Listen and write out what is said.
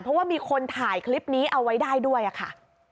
เพราะว่ามีคนถ่ายคลิปนี้เอาไว้ได้ด้วยค่ะ